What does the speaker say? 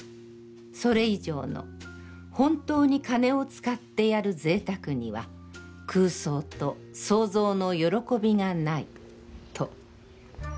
それ以上の、本当に金を使ってやる贅沢には、空想と創造の歓びがない。と。